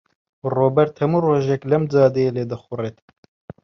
ڕۆبەرت هەموو ڕۆژێک لەم جادەیە لێدەخوڕێت.